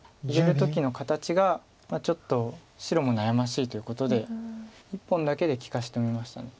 入れる時の形がちょっと白も悩ましいということで１本だけで利かしと見ました。